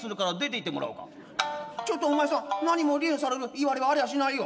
「ちょっとお前さん何も離縁されるいわれはありゃしないよ！」。